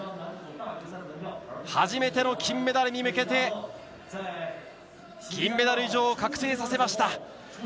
初めての金メダルに向けて銀メダル以上を確定させました。